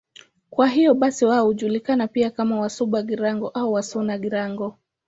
Kwa hiyo basi wao hujulikana pia kama Wasuba-Girango au Wasuna-Girango.